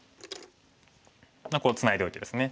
ツナいでおいてですね。